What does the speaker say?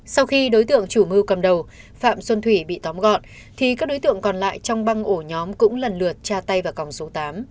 sau khi đối tượng chủ mưu cầm đầu phạm xuân thủy bị tóm gọn thì các đối tượng còn lại trong băng ổ nhóm cũng lần lượt tra tay vào còng số tám